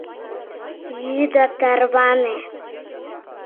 Йӱ да тарване.